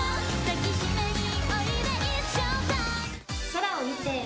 空を見て。